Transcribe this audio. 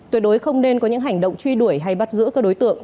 tuyệt đối không nên có những hành động truy đuổi hay bắt giữ các đối tượng